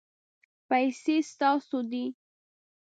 پیسې ستاسو دي